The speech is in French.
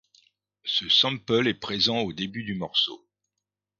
Ce sample est présent au début du morceau.